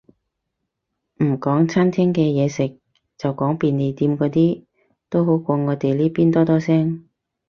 唔講餐廳嘅嘢食，就講便利店嗰啲，都好過我哋呢邊多多聲